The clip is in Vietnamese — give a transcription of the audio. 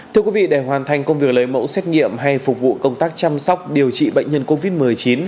thưa quý vị để hoàn thành công việc lấy mẫu xét nghiệm hay phục vụ công tác chăm sóc điều trị bệnh nhân covid một mươi chín